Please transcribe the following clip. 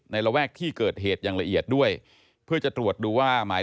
ระแวกที่เกิดเหตุอย่างละเอียดด้วยเพื่อจะตรวจดูว่าหมาย